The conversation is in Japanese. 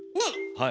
はい。